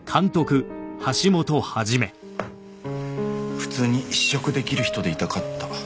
普通に試食できる人でいたかった。